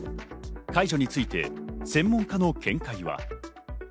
解除について専門家の見解は。